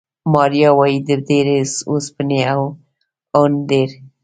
ماریا وايي، د ډېرې اوسپنې او ان ډېر